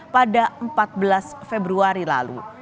pada empat belas februari lalu